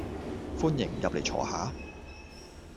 歡迎，入嚟坐下